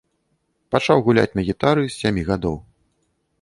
Пачаў гуляць на гітары з сямі гадоў.